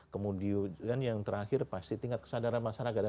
kemudian yang terakhir pasti tingkat kesadaran masyarakat